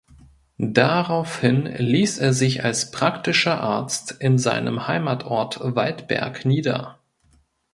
Daraufhin ließ er sich als praktischer Arzt in seinem Heimatort Waldberg nieder.